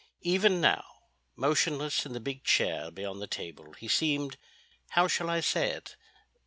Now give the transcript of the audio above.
Even now, motionless in the big chair beyond the table, he seemed—how shall I say it?